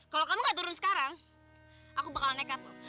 kalau kamu gak turun sekarang aku bakal nekat loh